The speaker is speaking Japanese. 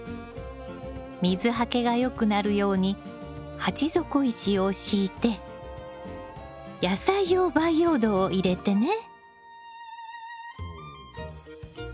水はけがよくなるように鉢底石を敷いて野菜用培養土を入れてね。